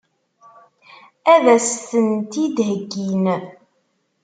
Ad as-tent-id-heggin?